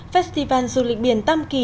festival du lịch biển tâm kỳ